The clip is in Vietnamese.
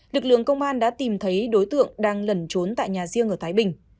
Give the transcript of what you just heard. lực lượng công an đã tìm thấy đối tượng đang lẩn trốn tại nhà riêng ở thái bình